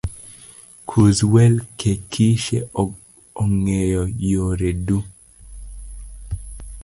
Kuz Welkekishe ong'eyo yore du